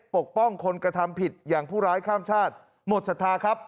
ปกป้องคนกระทำผิดอย่างผู้ร้ายข้ามชาติหมดศรัทธาครับ